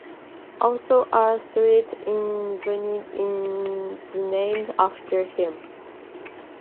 Also, a street in Vilnius is named after him.